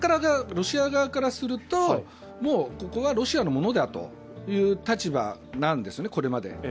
ロシア側からするともうここはロシアのものだという立場なんですよね、これまで。